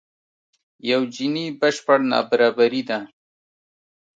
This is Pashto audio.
یو جیني بشپړ نابرابري ده.